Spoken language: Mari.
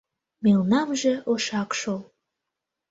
— Мелнамже ошак шол.